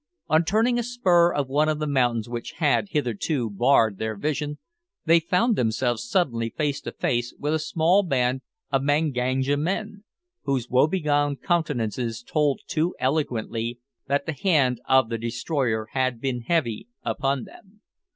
On turning a spur of one of the mountains which had hitherto barred their vision, they found themselves suddenly face to face with a small band of Manganja men, whose woe begone countenances told too eloquently that the hand of the destroyer had been heavy upon them.